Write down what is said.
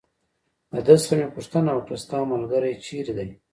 د ده څخه مې پوښتنه وکړل: ستا ملګری چېرې دی؟